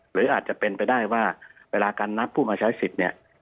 หรืออาจจะเป็นไปได้ว่าเวลาการนับผู้มาใช้สิทธิ์เนี่ย